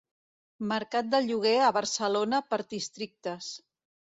Mercat del lloguer a Barcelona per districtes.